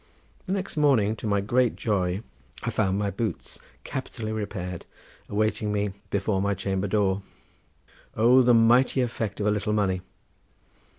The next morning to my great joy I found my boots, capitally repaired, awaiting me before my chamber door. O the mighty effect of a little money!